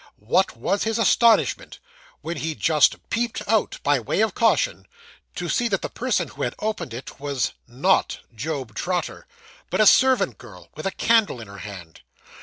What was his astonishment when he just peeped out, by way of caution, to see that the person who had opened it was not Job Trotter, but a servant girl with a candle in her hand!